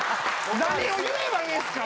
何を言えばいいんですか！？